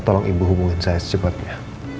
tolong ibu hubungin saya secepatnya